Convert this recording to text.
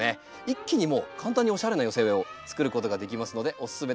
一気にもう簡単におしゃれな寄せ植えをつくることができますのでおすすめです。